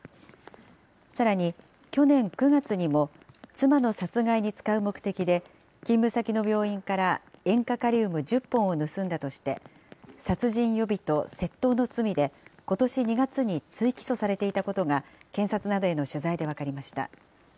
さらに、去年９月にも妻の殺害に使う目的で、勤務先の病院から塩化カリウム１０本を盗んだとして、殺人予備と窃盗の罪で、ことし２月に追起訴されていたことが、検察などへの取材で分かりました。